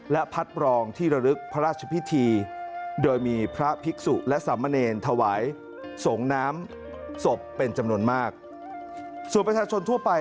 และพัดปรองที่ระลึกพระราชพิธี